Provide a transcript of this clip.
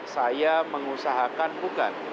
saya mengusahakan bukan